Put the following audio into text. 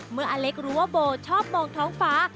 อเล็กรู้ว่าโบชอบมองท้องฟ้า